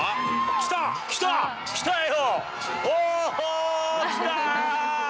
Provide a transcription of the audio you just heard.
来た！来た！来たよ！